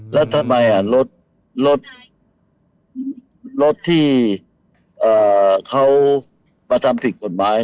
แล้วทำไมรถรถที่เขากระทำผิดกฎหมาย